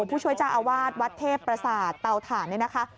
ผู้ช่วยเจ้าอาวาสวัดเทพประสาทเตาถ่านเนี่ยนะคะ